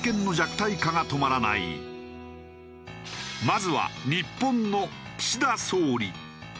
まずは日本の岸田総理。